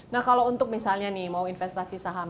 nah kalau untuk misalnya nih mau investasi saham